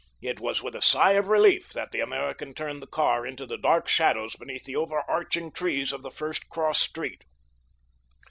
It was with a sigh of relief that the American turned the car into the dark shadows beneath the overarching trees of the first cross street.